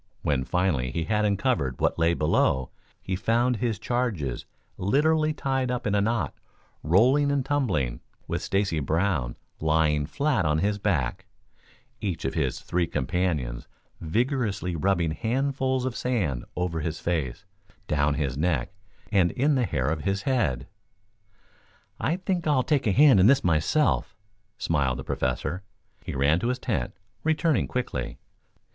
When finally he had uncovered what lay below, he found his charges literally tied up in a knot, rolling and tumbling, with Stacy Brown lying flat on his back, each of his three companions vigorously rubbing handfuls of sand over his face, down his neck and in the hair of his head. "I think I'll take a hand in this myself," smiled the Professor. He ran to his tent, returning quickly.